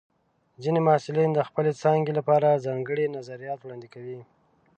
ځینې محصلین د خپلې څانګې لپاره ځانګړي نظریات وړاندې کوي.